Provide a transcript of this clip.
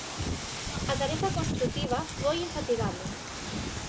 A tarefa construtiva foi infatigable.